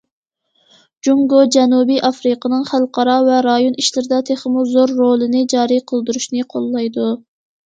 جۇڭگو جەنۇبىي ئافرىقىنىڭ خەلقئارا ۋە رايون ئىشلىرىدا تېخىمۇ زور رولىنى جارى قىلدۇرۇشىنى قوللايدۇ.